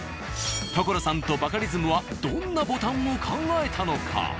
所さんとバカリズムはどんなボタンを考えたのか？